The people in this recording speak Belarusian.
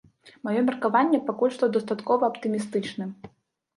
Маё меркаванне пакуль што дастаткова аптымістычны.